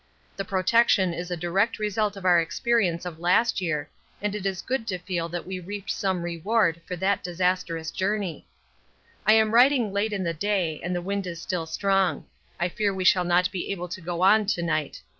The protection is a direct result of our experience of last year, and it is good to feel that we reaped some reward for that disastrous journey. I am writing late in the day and the wind is still strong. I fear we shall not be able to go on to night.